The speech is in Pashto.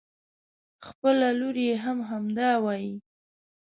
خپله لور يې هم همدا وايي.